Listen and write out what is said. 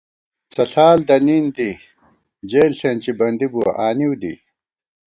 څݪال دَنِین دی جېل ݪېنچی بندی بُوَہ آنِؤ دِی